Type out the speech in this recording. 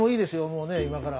もうね今から。